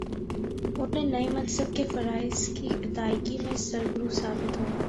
وہ اپنے نئے منصب کے فرائض کی ادائیگی میں سرخرو ثابت ہوں